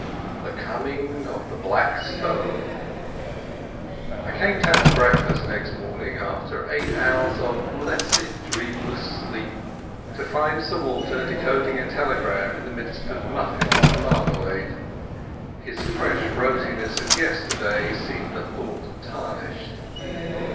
The Coming of the Black Stone I came down to breakfast next morning, after eight hours of blessed dreamless sleep, to find Sir Walter decoding a telegram in the midst of muffins and marmalade. His fresh rosiness of yesterday seemed a thought tarnished.